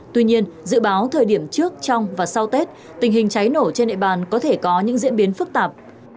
tuy nhiên dự báo thời điểm trước trong và sau tết tình hình cháy nổ trên địa bàn có thể có những diễn biến phức tạp